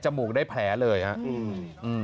จมูกได้แผลเลยครับ